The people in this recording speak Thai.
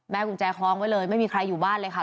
กุญแจคล้องไว้เลยไม่มีใครอยู่บ้านเลยค่ะ